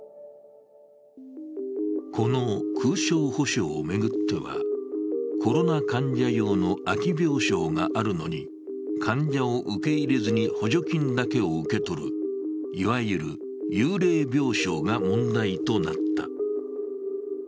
この空床補償を巡っては、コロナ患者用の空病床があるのに患者を受け入れずに補助金だけを受け取るいわゆる幽霊病床が問題となった。